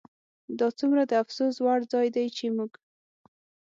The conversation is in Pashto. دا څومره د افسوس وړ ځای دی چې موږ